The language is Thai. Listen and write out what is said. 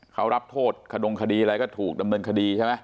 เขารับโทษขดงคดีอะไรก็ถูกดำเนินคดีใช่ไหม